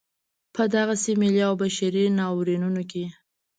په دغسې ملي او بشري ناورینونو کې.